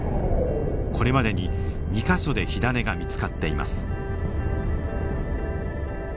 これまでに２か所で火種が見つかっています。